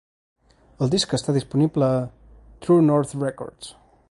El disc està disponible a "True North Records".